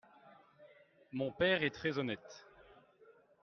Mon père est très honnête.